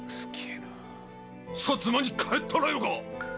薩摩に帰ったらよか！